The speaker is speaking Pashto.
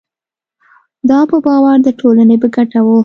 دا په باور د ټولنې په ګټه وو.